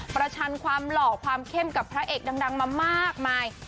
ชันความหล่อความเข้มกับพระเอกดังมามากมาย